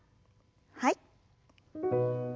はい。